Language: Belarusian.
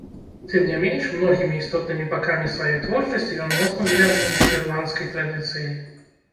Тым не менш многімі істотнымі бакамі сваёй творчасці ён моцна звязаны з нідэрландскай традыцыяй.